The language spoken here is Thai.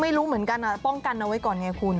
ไม่รู้เหมือนกันป้องกันเอาไว้ก่อนไงคุณ